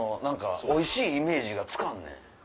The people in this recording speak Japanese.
おいしいイメージがつかんねん。